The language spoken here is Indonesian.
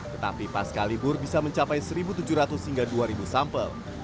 tetapi pas kalibur bisa mencapai seribu tujuh ratus hingga dua ribu sampel